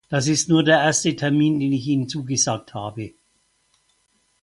Das ist nur der erste Termin, den ich Ihnen zugesagt habe.